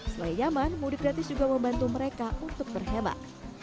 selain nyaman mudik gratis juga membantu mereka untuk berhemat